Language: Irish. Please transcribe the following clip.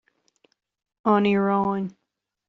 An Iaráin